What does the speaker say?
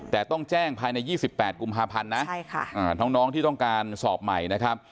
แต่ต้องแจ้งภายใน๒๘กุมภาพันธ์นะน้องที่ต้องการสอบใหม่นะครับ